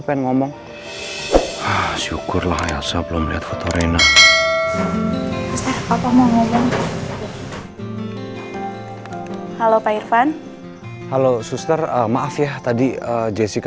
pengomong syukurlah ayasah belum lihat foto rina halo pak irvan halo suster maaf ya tadi jessica